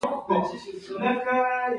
ایا زه باید توت وخورم؟